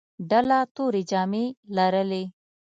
ډله تورې جامې لرلې.